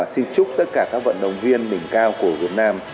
xin chúc tất cả các vận động viên đỉnh cao của việt nam